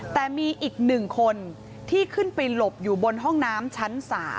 แต่มีอีก๑คนที่ขึ้นไปหลบอยู่บนห้องน้ำชั้น๓